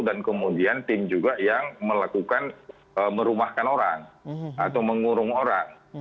kemudian tim juga yang melakukan merumahkan orang atau mengurung orang